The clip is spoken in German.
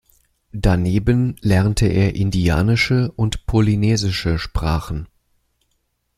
Daneben lernte er indianische und polynesische Sprachen.